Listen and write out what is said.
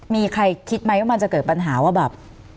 มีใครคิดไหมว่ามันจะเกิดปัญหาว่าแบบ